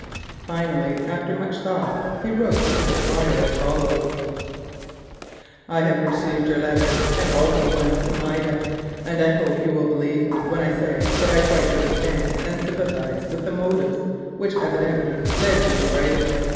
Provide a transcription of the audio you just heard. Finally, after much thought, he wrote to the Squire as follows: "I have received your letter, and also one from Ida, and I hope you will believe me when I say that I quite understand and sympathise with the motives which evidently led you to write it.